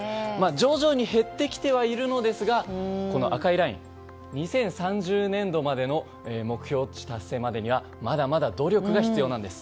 徐々に減ってきてはいるのですが赤いライン、２０３０年度までの目標値達成まではまだまだ努力が必要なんです。